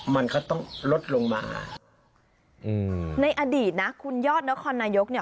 มันก็ต้องลดลงมาอืมในอดีตนะคุณยอดนครนายกเนี่ย